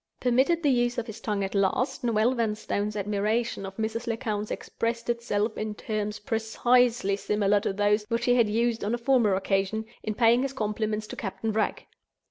Permitted the use of his tongue at last, Noel Vanstone's admiration of Mrs. Lecount expressed itself in terms precisely similar to those which he had used on a former occasion, in paying his compliments to Captain Wragge.